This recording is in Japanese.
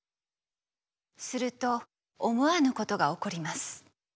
すると思わぬことが起こります。